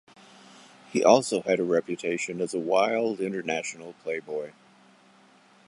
He also had a reputation as a wild international playboy.